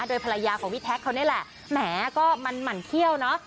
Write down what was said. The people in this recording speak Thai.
โดยภรรยาของพี่แท็กเขานี่แหละแหมก็มันหมั่นเขี้ยวเนอะ